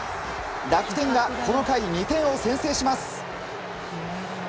楽天がこの回２点を先制します。